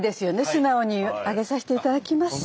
素直に上げさせていただきます。